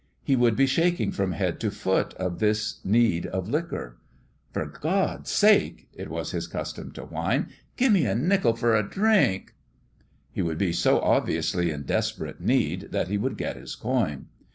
He would be shaking from head to foot of this need of liquor. "Per Gawd's sake," it was his custom to whine, " gimme a nickel fer a drink !" He would be so obviously in desperate need that he would get his coin.